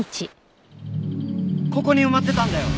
ここに埋まってたんだよ。